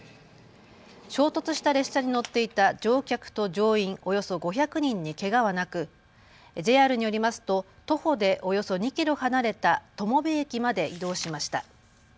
衝突した列車に乗っていた乗客と乗員およそ５００人にけがはなくＪＲによりますと徒歩でおよそ２キロ離れた友部駅まで移動しました。